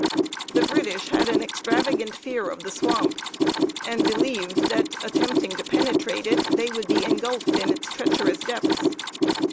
The British had an extravagant fear of the swamp, and believed that, attempting to penetrate it, they would be ingulfed in treacherous depths.